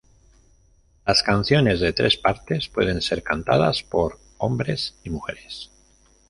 Las canciones de tres partes pueden ser cantadas por hombres y mujeres.